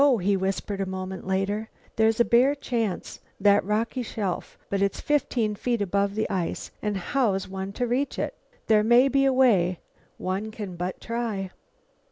"No," he whispered a moment later, "there's a bare chance that rocky shelf. But it's fifteen feet above the ice, and how's one to reach it? There may be a way. One can but try."